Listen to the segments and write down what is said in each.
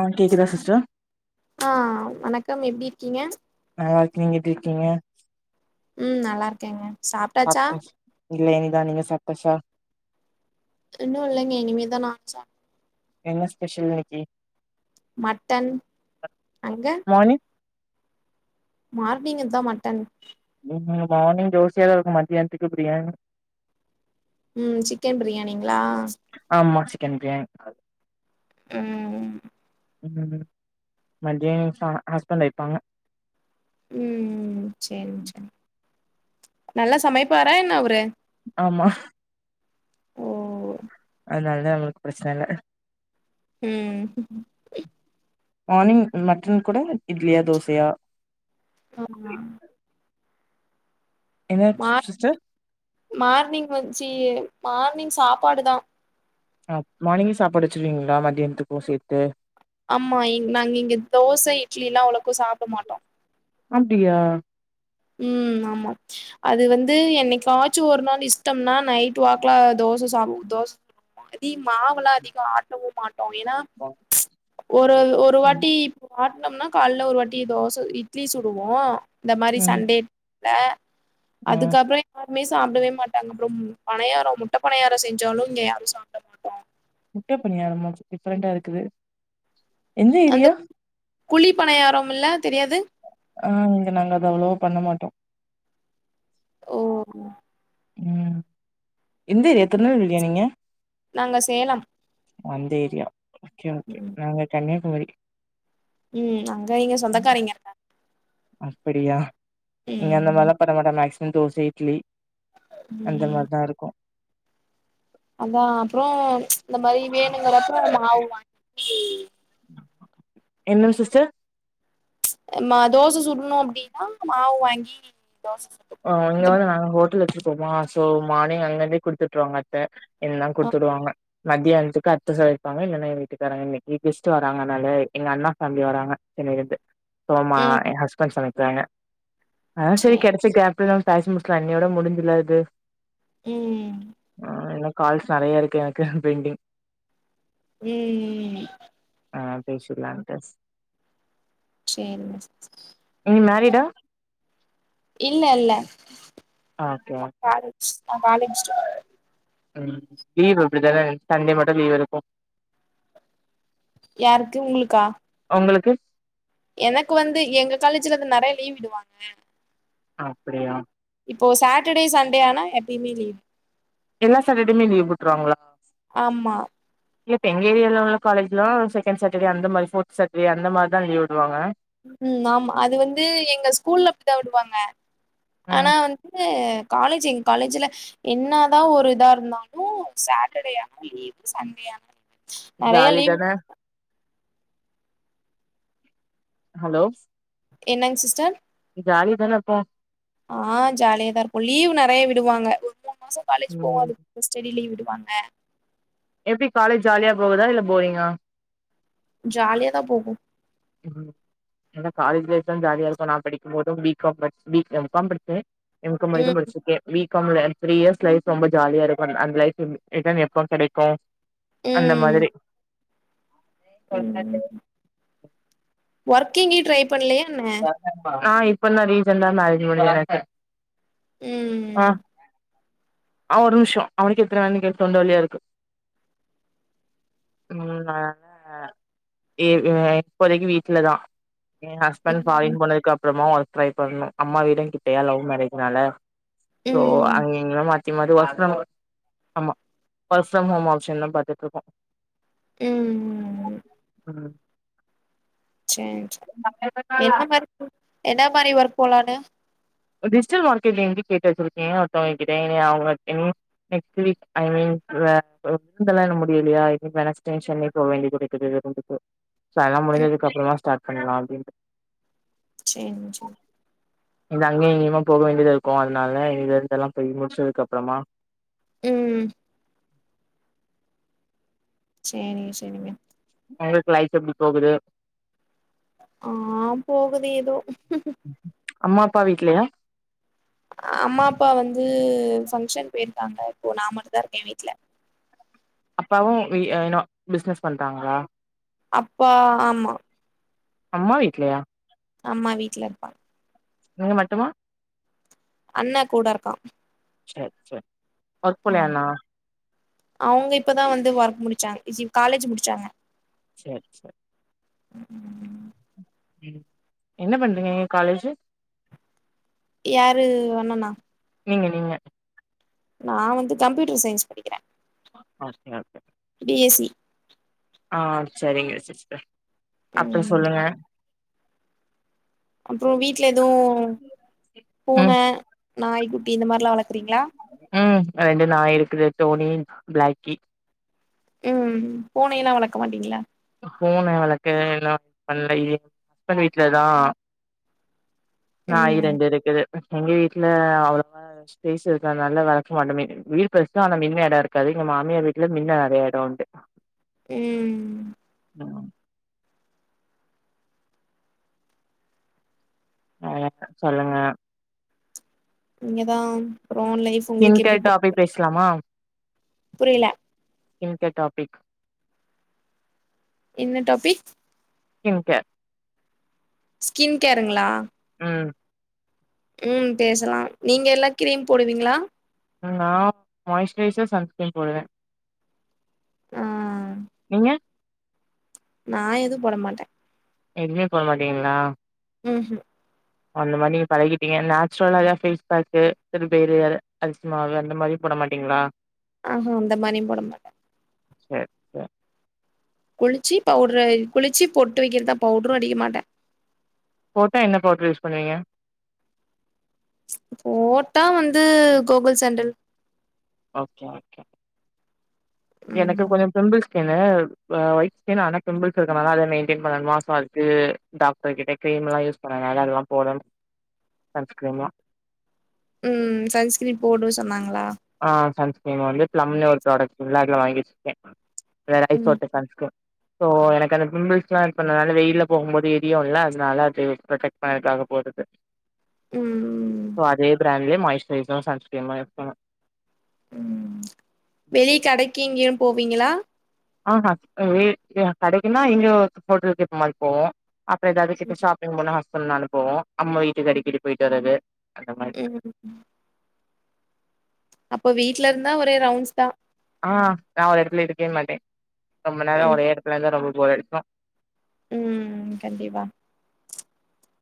ஆ கேக்குதா சிஸ்டர் ஆ வணக்கம் எப்டி இருக்கீங்க நல்லாருக்கே நீங்க எப்டி இருக்கீங்க ம் நல்லா இருக்கேங்க சாப்டாச்சா சாப்ட்ட இல்ல இனிதா நீங்க சாப்டாச்சா இன்னு இல்லைங்க இனிமேதா நானு சாப் என்ன ஸ்பெஷல் இன்னைக்கி மட்டன் அங்க மார்னிங் மார்னிங் இதா மட்டன் ம் மார்னிங் தோசயாதா இருக்கு மதியானத்துக்கு பிரியாணி ம் சிக்கன் பிரியாணிங்களா ஆமா சிக்கன் பிரியாணி ம் ம் ம் மத்தியோ சா ஹஸ்பெண்ட் வைப்பாங்க ம் சேரிங்க சேரி நல்லா சமைப்பாரா என்ன அவரு ஆமா ஓ அதனாலதா அவுங்களுக்கு பிரெச்சன இல்ல ம் மார்னிங் மட்டன் கூட இட்லியா தோசையா ஆ ஹம் என்னாச்சு மார் சிஸ்டர் மார்னிங் வச்சி மார்னிங் சாப்பாடு தா ஆ மார்னிங்கே சாப்பாடு வச்சருவீங்களா மத்தியானத்துக்கு சேத்து ஆமா இ நாங்க இங்கே தோச இட்லி எல்லா அவ்ளோக்கு சாப்ட மாட்டோ அப்டியா ம் ஆமா அது வந்து என்னைக்காச்சு ஒரு நாள் இஷ்டம்னா நைட் வாக்ல தோச சாப்டுவோ தோஸ் அதி மாவெல்லா அதிகோ ஆட்டவு மாட்டோ ஏனா ஒரு ஒரு வாட்டி வாட்னோம்னா கால்ல ஒரு வாட்டி தோச, இட்லி சுடுவோ இந்த மா ம் தண்டே ப ம் அதுக்கப்பறோ யாருமே சாப்டவே மாட்டாங்க ப்பறோம் பணியாரோ முட்ட பணியாரோ செஞ்சாலு இங்க யாரு சாப்ட மாட் முட்ட பணியாரமா டிஃப்ரெண்டாருக்குது எந்த அந்த ஏரியா குழி பணியாரோ மில்ல தெரியாது ஆ இங்க நாங்க அத அவ்வளவா பண்ண மாட்டோ ஓ ம் எந்தா ஏரியா திருநெல்வேலியா நீங்க நாங்க சேலம் அந்த ஏரியா ஓகே ஓகே நாங்க கன்னியாகுமரி ம் அங்க ங்க சொந்தக்காரேங்க அப்டியா இங்க அந்த ம் மாரில்லா பண்ணமாட்டோ மேக்சிமம் தோச, இட்லி அந்த ம் மார்தா இருக்கு அதா அப்பறோ இந்த மாரி வேணுங்கிறப்ப மாவ் வாங்கி என்ன சிஸ்டர் நா தோச சுடணு அப்டினா மாவு வாங்கி தோச சுட்டுப் ஆ இங்க வந்து நாங்க ஹோட்டல் வச்சிருக்கோமா சோ மார்னிங் அங்கருந்தே குடுத்துட்ருவாங்க அத்த எல்லா ஆ குடுத்துடுவாங்க மத்தியானத்துக்கு அத்த சமைப்பாங்க இல்லனா எ வீட்டுக்காரங்க இன்னைக்கு கெஸ்ட்டு வர்றாங்க அதனால எங்க அண்ணா தம்பி வராங்க சென்னையலருந்து சோமா ம் எ ஹஸ்பண்ட் சமைக்கிறாங்க ஆ சேரி கெடைச்ச கேப் இப்டிதா பாயச முடிச்சுட்லா அன்னையோட முடிஞ்சுர்லா இது ம் ஆ இன்னு கால்ஸ் நெறையா இருக்கு எனக்கு பெண்டிங் ம் ம் ஆ பேசிர்லான்ட்டு சேரிங்க நீங்க மேரிடா இல்ல இல்ல ஓகே நா ஓகே காலஜ் நா காலேஜ் ஸ்டூ ம் லீவ் இப்டிதான சண்டே மட்டு லீவ் எடுப்போ யாருக்கு உங்களுக்கா ஒங்களுக்கு எனக்கு வந்து எங்க காலேஜ்ல வந்து நெறைய லீவ் விடுவாங்க அப்டியா இப்போ சாட்டர்டே சண்டே ஆனா எப்பயுமே லீவ் எல்லா சேட்டர்டேமே லீவ் விட்ருவாங்களா ஆமா இப்ப எங்க ஏரியாவ்ல உள்ள காலேஜ்லா செகண்ட் சாட்டர்டே அந்த மாரி ஃபோர்த் சட்டர்டே அந்த மார்தா லீவ் விடுவாங்க ம் ஆமா அது வந்து எங்க ஸ்கூல்ல அப்டி தா விடுவாங்க ஆனா ம் வந் து காலேஜ் எங்க காலேஜுல என்ன தா ஒரு இதா இருந்தாலு சாட்டர்டேயானா லீவ் லீவு சண்டேயானா [inaudible] நெறையா ஜாலி லீவ் தானே விட்றாங்க ஹலோ என்னங் சிஸ்டர் நீ ஜாலியா தான இருப்போ ஆ ஜாலிய தா இருப்போ லீவ் நெறையா விடுவாங்க ஒரு மூணு மாச காலேஜ் ம் போவாது ஸ்டெடி லீவ் விடுவாங்க எப்டி காலேஜ் ஜாலியா போகுதா இல்ல போரிங்கா ஜாலியா தா போகு ம் ஆனா காலேஜ் லைஃப்தா ஜாலியா இருக்கு நா படிக்கும் போது பி காம் படிச் பி எம் காம் படிச்சே எம் காம் வரைக்கு ம் படிச்சிருக்கே பி காம்ல த்ரீ இயர்ஸ் லைஃப் ரொம்ப ஜாலியா இருக்கு அந் அந்த லைஃப் திரும்பி ரிட்டன் எப்ப கெடைக்கு அந்த ம் மாதிரி ம் ஒர்க் எங்கயு ட்ரை பண்லையா என்ன ஆ இப்பந்தா ரீசண்டா மேரேஜ் முடிஞ்சது எனக்கு ம் ஆ ஆ ஒரு நிம்ஷ அவனுக்கு எத்தன நாள் இன்னைக்கு தொண்ட வழியா இருக்கு ம் ஆ ஏ இவுங்க இப்போதைக்கு வீட்லதா எ ஹஸ்பண்ட் ஃபாரின் ம் போனதுக்கு அப்பறமா ஒர்க் ட்ரை பண்ணனு அம்மா வீடு கிட்டையா லவ் மேரேஜ்னால சோ ம் அங்க எங்கம்மாட் மாரி ஒர்க் ஃப்ரம் ஆமா ஒர்க் ஃப்ரம் ஹோம் ஆப்ஷன் தா பாத்துட்டு இருக்கோ ம் ம் சேரி சேரி என்ன மாரி என்ன மாரி ஒர்க் போலானு ஓ டிஜிட்டல் மார்கெட்டிங்க்கு கேட்டு வெச்சிருக்கே ஒருத்தவங்கக்கிட்ட என்னைய அவுங்கள என்னைய நெக்ஸ் வீக் ஐ மீன் [unintelligible] முடியலையா டென்ஷன்லேயே போக வேண்டிதிருக்குது ச அதெல்லா ம் முடிஞ்சதுக்கப்புறமா ஸ்டார்ட் பண்லா அப்டின்ட்டு சேரி சேர் இந்த அங்கயு இங்கயுமா போக வேண்டியதா இருக்கு அதனால இதுல இருந்துல்லாம் போய் முடிச்சதுக்கு அப்புறமா ம் சேரிங்க சேரிங்க உங்களுக்கு லைஃப் எப்டி போகுது ஆ போகுது ஏதோ அம்மா அப்பா வீட்லயா அம்மா அப்பா வந்து ஃபங்ஷன் போயிருக்காங்க இப்போ நா மட்டு தா இருக்க வீட்ல அப்பாவு வி யூ நோ பிஸ்னஸ் பண்றாங்களா அப்பா ஆமா அம்மா வீட்லயா அம்மா வீட்ல இருப்பா நீங்க மட்டுமா அண்ண கூட இருக்கா செர் செர் ஒர்க் போலயா இன்னு அவுங்க இப்ப தா வந்து ஒர்க் முடிச்சாங்க இ சி காலேஜ் முடிச்சாங்க செர் செர் ம் என்ன பண்றீங்க நீங்க காலேஜு யாரு அண்ணனா நீங்க நீங்க நா வந்து கம்ப்யூட்டர் சயின்ஸ் படிக்கிற okay okay B S E ஆ செரிங்க செர் செர் அப்றோ ம் சொல்லுங்க அப்றோ வீட்ல எதுவு பூன ம் நாய்க்குட்டி இந்த மாரிலா வளக்குறீங்ளா ம் ரெண்டு நாய் இருக்குது டோனி பிளாக்கி ம் பூனை எல்லா வளக்க மாட்டீங்களா பூன வளக்க [unintelligible] பண்ல எதுத்த வீட்ல தா நாயி ம் ரெண்டு இருக்குது எங்க வீட்ல அவ்ளவா ஸ்பேஸ் இருக்காது அதனால வளக்க மாட்டோமே வீடு பெருசு ஆனா மின்ன எடம் இருக்காது எங்க மாமியார் வீட்ல மின்ன நறைய எட இருக்கு ம் ம் ஆ சொல்லுங்க இங்கதா அப்பற இன் கேர் டாப்பிக் பேசுலாமா புரியல இன்கேர் டாப்பிக் என்ன டாபிக் ஸ்கின் கேர் ஸ்கின் கேருங்களா ம் ம் பேசலா நீங்க எல்லா கிரீம் போடுவீங்ளா நா மாய்ஸ்ரைசர் சன்ஸ்கிரீம் போடுவே ஆ நீங்க நா எதுவு போட மாட்டே எதுமே போடமாட்டீங்களா ம் ம் அந்த மாரி நீங்க பழகிடீங்க நேச்சுரலா ஏதாது ஃபேஸ் பேக்கு சிறு பயறு அர அரிசிமாவு அந்த மாரி போட மாட்டீங்ளா ஆ ஹா அந்த மாரியும் போட மாட்டே செர் குளிச்சி பவ்ட்ர குளிச்சி பொட்டு வைக்றது தா பவ்ட்ரும் அடிக்க மாட்டே போட்டா என்ன பவ்டுரு யூஸ் பண்ணுவீங்க போட்டா வந்து கோகுல் சாண்டல் ஓகே ஓகே எனக்கு ம் கொஞ்ச பிம்பிள்ஸ் ய்ட் ஸ்கின் வ ஒயிட் ஸ்கின் ஆனா பிம்பிள்ஸ் இருக்கனால அத மெயின்டென் பண்ணணுமா சோ அதுக்கு டாக்டர் கிட்ட கிரீம்லா யூஸ் பண்ணனால அதெல்லா போடனும் சன்ஸ் கிரீம்லா ம் சன்ஸ்கிரீம் போடு சொன்னாங்களா ஆ சன்ஸ்கிரீம் வந்து ப்ளம்னு ஒரு ப்ராடக்ட் ஃபுல்லா இதுல வாங்கி வச்சிருக்க வேற ஐஸ் ம் வாட்டர் சன்ஸ்கிரீம் சோ எனக்கு அந்த பிம்பிஸ் லா இருக்கனால வெயில போகும் போது எரியுல்ல அதனால அது ப்ரோடக்ட் பையக்காக போடுறது ம் சோ அதே பிராண்லே மாய்ஸ்ரைசரும் சன்ஸ்கிரீமு இருக்கனு ம் வெளிய கடைக்கு ஏங்கயு போவீங்களா ஆ ம் கடைக்குனா இங்க ஹோட்டலுக்கு ஏப்ப மாரி போவோ அப்றோ ஏதாவது கிட்ட ஷாப்பிங் போணா ஹஸ்பண்ட் நானும் போவோம் அம்மா வீட்டுக்கு அடிக் கடி போயிட்டு வறது அந்த மாரி ம் அப்போ வீட்ல இருந்தா ஒரே ரவுண்ட்ஸ் தா ஆ நா ஒரு எடத்துல இருக்கே மாட்டே ரொம்ப நேரோ ம் ஒரே எடத்துல இருந்தா ரொம்ப போர் அடிக்கும் ம் கண்டிப்பா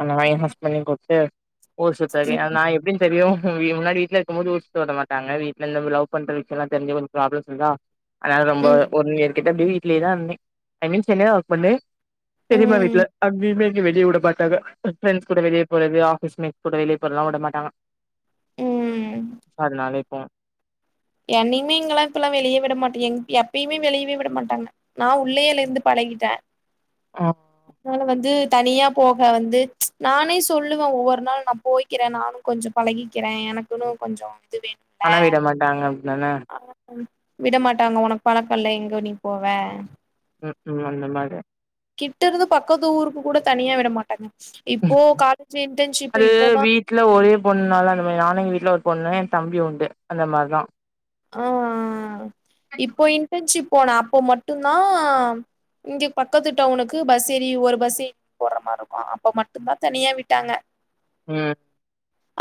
அன மயன்வாஷ் பன்னி குத்து ஊர்சுத்தாவே ம் நா இப் அப்டினு தெரியும் முன்னாடி வீட்ல இருக்கும்போது ஊர்சுத்த விட மாட்டங்க வீட்ல இருந்த லவ் பண்ற விசயல்லா தெரிஞ்சி ஒரு ப்ரோப்லம் அதா ஆனால ரொம்ப ம் ஒன் இயர் கிட்ட அப்டியே வீட்லயே தா இந்தே ஐ மீன்ஸ் சென்னைலதா ஒர்க் பண்ணே பெரிம்மா வீட்ல ம் அங்கேயுமே எங்கயும் வெளிய வுட டாக ப்ரெண்ஸ் கூட வெளிய போறது ஆபிஸ் மேட்ஸ் கூட வெளிய போறல்லா விடமாட்டாங்க ம் அதனால இப்போ என்னயுமே இங்கலா இப்பல்லா வெளியே மாட்டங்க எ எப்பயுமே வெளியவே விடமாட்டாங்க நா உள்ளேல இருந்து பழகிட்டே ம் அதனால வந்து தனியா போக வந்து நானே சொல்லுவே ஒவ்வொரு நாள் நம் போய்கிறே நானும் கொஞ்சோ பழகிக்கிறே எனக்குன்னு கொஞ்சோ இது வேனு ஆனா விட மாட்டாங்க அமப் டானா அ விட மாட்டாங்க உனக்கு பழக்கல்ல எங்க நீ போவ உ உம் அந்த மாரி கிட்டருந்து பக்கத்து ஊருக்கு கூட தனியா விட மாட்டாங்க இப்போ காலேஜ் இன்டர்ன்ஷிப் அது இப்பதா வீட்ல ஒரே பொண்ணுலா அந்த மாரி நானேங்க வீட்ல ஒரு பொண்ணு என் தம்பி உண்டு அந்த மாரிதா அ அ இப்போ இன்டர்ன்ஷிப் போன அப்போ மட்டுதா இங்க பக்கத்து டவுனுக்கு பஸ் ஏறி ஒரு பஸ் அப்ப மட்டும்தா தனியா விட்டாங்க உம்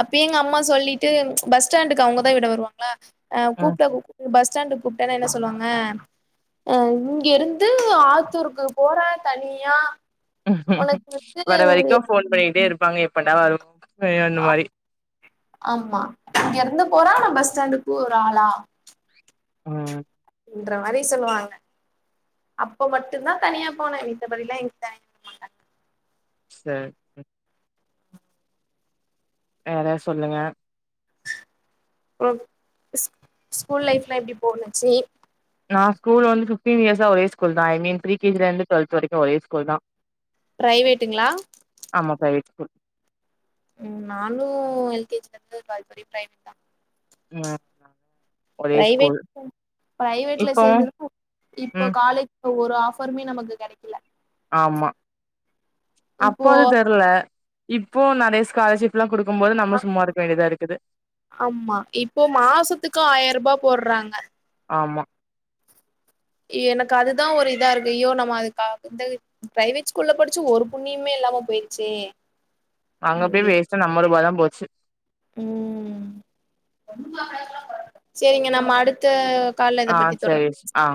அப்யே எங்க அம்மா சொல்லிட்டு பஸ்டாண்டுக்கு அவங்கதா விட வருவாங்களா அ ம் கூப்பட பஸ் ஸ்டாண்ட்க் கூப்ட்டனா என்ன சொல்லுவாங்க அ இங்கிருந்து ஆத்தூருக்கு போற தனியா உனக்கு வந்து வர வரைக்கு ஃபோன் பண்ணிட்டே இருப்பாங்க எப்படா வரு அந்த ஆ மாரி ஆமா இங்கறந்து போறா ஆனா பஸ் ஸ்டாண்டுக் ஒரு ஆளா ம் ன்ற மாரி சொல்லுவாங்க அப்ப மட்டு தா தனியா போன மித்த படில்லா எங்க சேர் வேற சொல்லுங்க ஸ் ஸ்கூல் லைஃப்லா எப்டி போகுச்சி நா ஸ்கூல் வந்து பிப்டீன் இயர்ஸா ஒரே ஸ்கூல் தா I mean pre K G ல இருந்து டுவல்த் வரைக்கு ஒரே ஸ்கூல்தா பிரைவேட்டுங்களா ஆமா பிரைவெட் ஸ்கூல் உம் நானு எல் கே ஜில இருந்து டூவெல்த் வரை பிரைவேட் தா உம் ப்ரரைவேட் ப்ரைவேட்ல இப்போ சேர்ந்ததுக்கு இப்ப ம் காலே அப்ப ஒரு ஆபருமே நமக்கு கிடக் ஆமா அப்போ இப்போ அது தெர்ல இப்போ நெறய ஸ்காலர்ஷிப் [unintelligible] குடுக்கு போது நம்ம சும்மா இருக்க வேண்டியதாருக்குது ஆம்மா இப்போ மாசத்துக்கு ஆயிர்வா போடுறாங்க ஆமா எனக் அதுதா ஒரு இதா இருக்கு ஐயோ நம்ம அதுக்காத்தது பிரைவேட் ஸ்கூல்ல படிச்சு ஒரு புண்ணியமுமே இல்லாம போயிருச்சே அங்க போய் அப்டின்னு வேஸ்டா நம்ம ரூபாதா போச்சு ம் சேரிங்க நம்ம அடுத்த கால்ல இத ஆ பத்தி தொடர் சரி ஆ